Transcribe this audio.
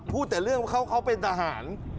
พูดแต่เรื่องว่าเขาเป็นทหาร